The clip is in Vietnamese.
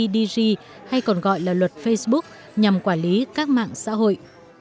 dg hay còn gọi là luật facebook nhằm quản lý các mạng xã hội